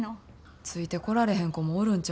ついてこられへん子もおるんちゃうか？